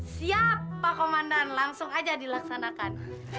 siap pak komandan langsung aja dilaksanakan